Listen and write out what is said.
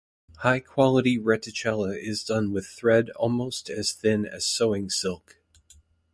High quality reticella is done with thread almost as thin as sewing silk.